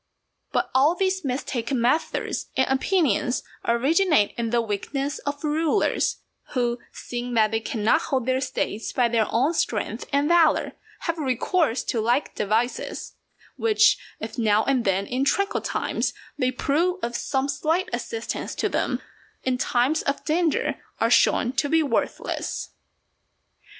But all these mistaken methods and opinions originate in the weakness of rulers, who, seeing that they cannot hold their States by their own strength and valour, have recourse to like devices; which, if now and then in tranquil times they prove of some slight assistance to them, in times of danger are shown to be worthless.